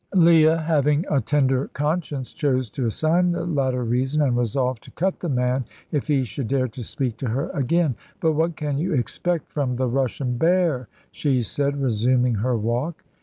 Leah, having a tender conscience, chose to assign the latter reason, and resolved to cut the man if he should dare to speak to her again. "But what can you expect from the Russian bear?" she said, resuming her walk.